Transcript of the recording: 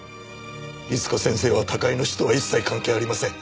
律子先生は高井の死とは一切関係ありません。